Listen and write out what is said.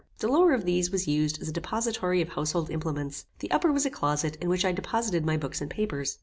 The lower of these was used as a depository of household implements, the upper was a closet in which I deposited my books and papers.